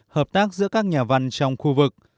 hợp tác giữa các nhà văn trong khu vực